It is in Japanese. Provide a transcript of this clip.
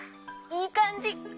いいかんじ！